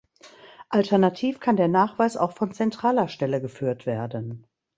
Alternativ kann der Nachweis auch von zentraler Stelle geführt werden.